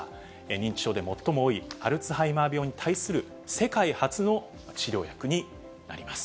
認知症で最も多いアルツハイマー病に対する世界初の治療薬になります。